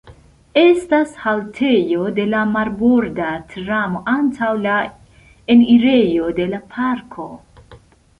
Estas haltejo de la marborda tramo antaŭ la enirejo de la parko.